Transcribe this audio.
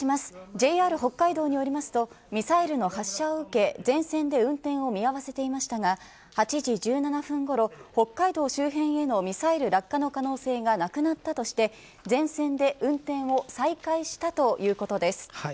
ＪＲ北海道によりますとミサイルの発射を受け、全線で運転を見合わせていましたが８時１７分ごろ、北海道周辺へのミサイル落下の可能性がなくなったとして全線で運転を再開したということです。